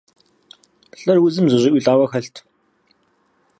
Лӏыр узым зэщӏиӏулӏауэ хэлът.